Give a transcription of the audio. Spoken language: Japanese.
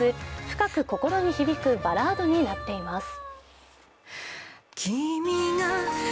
深く心に響くバラードになっています。